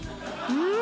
うん！